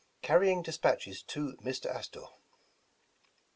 CAR^^YING DESPATCHES TO MR. ASTOR.